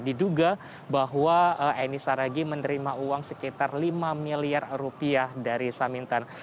diduga bahwa eni saragi menerima uang sekitar lima miliar rupiah dari samintan